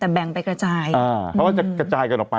แต่แบ่งไปกระจายเพราะว่าจะกระจายกันออกไป